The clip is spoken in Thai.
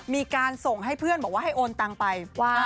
มีการส่งให้เพื่อนบอกว่าให้โอนตังไป